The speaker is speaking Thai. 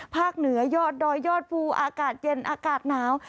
เหนือยอดดอยยอดภูอากาศเย็นอากาศหนาว